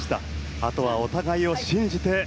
あとはお互いを信じて。